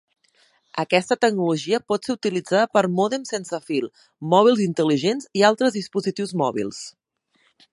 Aquesta tecnologia pot ser utilitzada per mòdems sense fil, mòbils intel·ligents i altres dispositius mòbils.